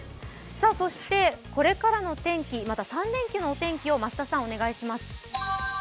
そしてこれからの天気、また３連休の天気を増田さん、お願いします。